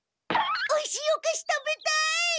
おいしいおかし食べたい！